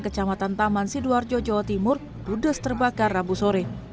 kecamatan taman sidoarjo jawa timur ludes terbakar rabu sore